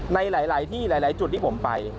ในหลายที่หลายจุดที่ผมไป